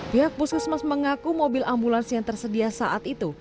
pihak puskesmas mengaku mobil ambulans yang tersedia saat itu